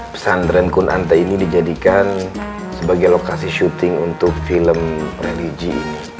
pesan renkun ante ini dijadikan sebagai lokasi syuting untuk film religi ini